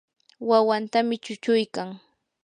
wawantami chuchuykan.